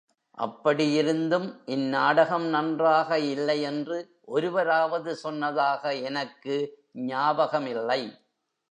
அப்படியிருந்தும் இந்நாடகம் நன்றாக இல்லையென்று ஒருவராவது சொன்னதாக எனக்கு ஞாபகமில்லை.